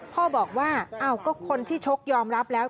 พ่อบอกว่าอ้าวก็คนที่ชกยอมรับแล้ว